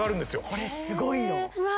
これすごいようわ